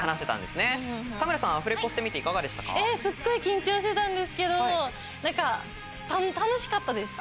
すっごい緊張してたんですけど楽しかったです。